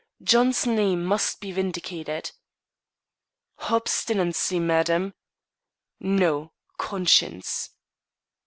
John's name must be vindicated." "Obstinacy, madam." "No; conscience."